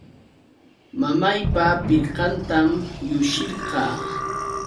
Mamaypa pirqantam llushirqaa.